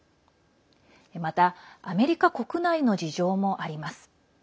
またアメリカ国内の事情もあります。